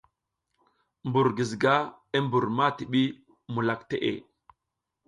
Mbur giziga i mbur ma tiɓi mukak te.